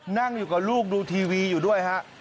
นั่งอยู่กับลูกดูทีวีอยู่ด้วยฮะ